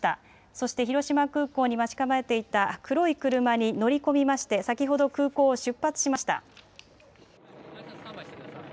そして広島空港に待ち構えていた黒い車に乗り込みまして先ほど空港を出発しました。